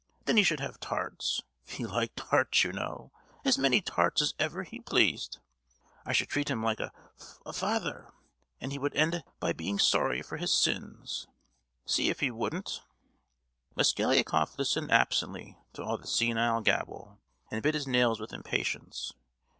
Then he should have tarts (he liked tarts, you know), as many tarts as ever he pleased. I should treat him like a fa—ather; and he would end by being sorry for his sins, see if he wouldn't!" Mosgliakoff listened absently to all this senile gabble, and bit his nails with impatience.